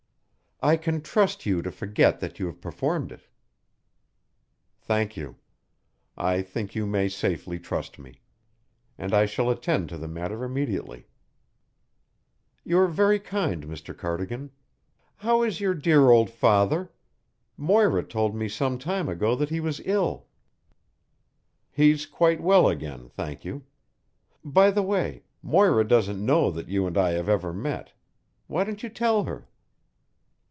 "I can trust you to forget that you have performed it." "Thank you. I think you may safely trust me. And I shall attend to the matter immediately." "You are very kind, Mr. Cardigan. How is your dear old father? Moira told me sometime ago that he was ill." "He's quite well again, thank you. By the way, Moira doesn't know that you and I have ever met. Why don't you tell her?"